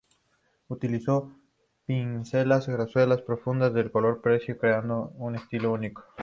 Utilizó pinceladas gruesas, profundas y el color preciso, creando un estilo único.